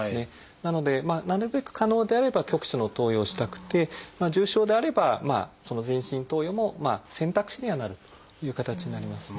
なのでなるべく可能であれば局所の投与をしたくて重症であれば全身投与も選択肢にはなるという形になりますね。